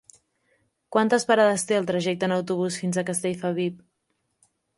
Quantes parades té el trajecte en autobús fins a Castellfabib?